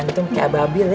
antu seperti ababil ya